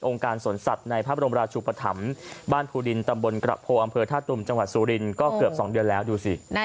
การสวนสัตว์ในพระบรมราชุปธรรมบ้านภูดินตำบลกระโพอำเภอท่าตุมจังหวัดสุรินก็เกือบ๒เดือนแล้วดูสิ